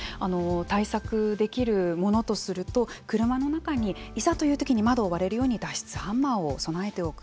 対策できるものとすると車の中にいざという時に窓を割れるように脱出ハンマーを備えておく。